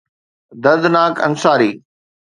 دردناڪ انصاري